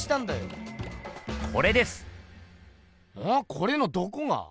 これのどこが？